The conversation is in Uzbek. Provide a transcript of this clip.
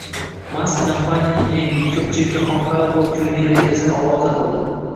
Mask kompaniyaning yangi, ko‘pchilikka xomxayol bo‘lib ko‘ringan rejasini ovoza qildi: